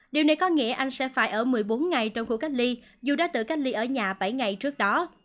điều này có nghĩa anh sẽ phải ở một mươi bốn ngày trong khu cách ly dù đã tự cách ly ở nhà bảy ngày trước đó